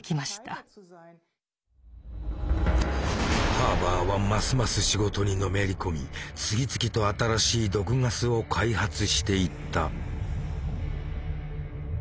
ハーバーはますます仕事にのめり込み次々と新しい毒ガスを開発していった。